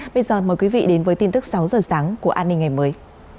bây giờ mời quý vị đến với tin tức sáu giờ sáng của an ninh ngày mới